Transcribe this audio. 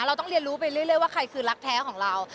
เราต้องเรียนรู้ไปเรื่อยว่าใครคือรักแท้ของเรา